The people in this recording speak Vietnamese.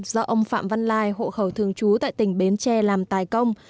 do ông phạm văn lai hộ khẩu thường trú tại tỉnh bến tre làm tài công